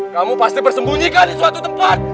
kamu pasti bersembunyikan di suatu tempat